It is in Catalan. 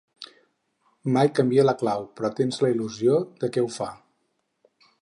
Mai canvia la clau, però tens la il·lusió de que ho fa.